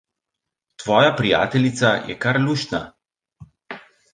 Tvoja prijateljica je kar luštna.